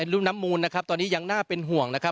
รุ่นน้ำมูลนะครับตอนนี้ยังน่าเป็นห่วงนะครับ